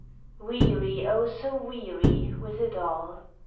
Weary, oh, so weary With it all!